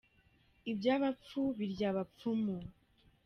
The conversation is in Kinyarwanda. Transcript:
Ibyo abapfu birya abapfumu.